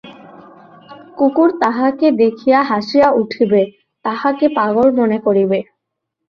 কুকুর তাঁহাকে দেখিয়া হাসিয়া উঠিবে, তাঁহাকে পাগল মনে করিবে।